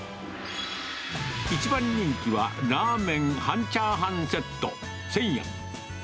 一番人気はラーメン半チャーハンセット１０００円。